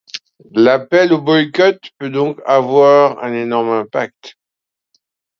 L'appel au boycott peut donc avoir un énorme impact.